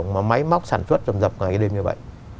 mà máy móc sản xuất rầm rập ngày đêm như vậy